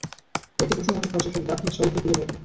একটি প্রশ্ন মনে খচখচ করে, যার ঠিক সদুত্তর খুঁজে পাই না।